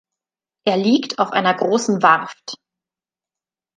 Er liegt auf einer großen Warft.